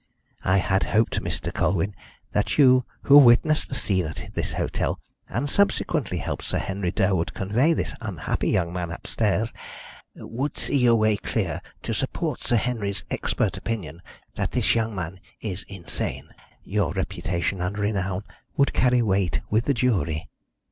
I had hoped, Mr. Colwyn, that you, who witnessed the scene at this hotel, and subsequently helped Sir Henry Durwood convey this unhappy young man upstairs, would see your way clear to support Sir Henry's expert opinion that this young man is insane. Your reputation and renown would carry weight with the jury."